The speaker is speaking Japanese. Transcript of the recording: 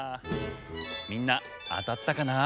みんなあたったかな？